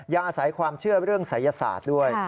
ยังอาศัยความเชื่อเรื่องศัยศาสตร์ด้วย